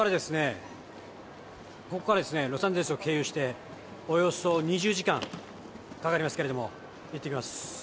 ここからですね、ロサンゼルスを経由して、およそ２０時間かかりますけど、行ってきます。